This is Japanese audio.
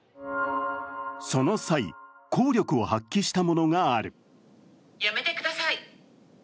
その際、効力を発揮したものがある。